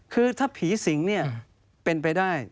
คือถ้าผีสิงเนี่ยเป็นไปได้